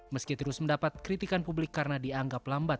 meski terus mendapat kritikan publik karena dianggap lambat